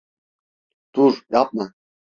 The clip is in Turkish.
Dur, yapma!